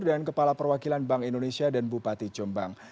dan kepala perwakilan bank indonesia dan bupati jombang